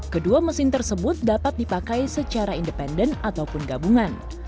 kedua mesin tersebut dapat dipakai secara independen ataupun gabungan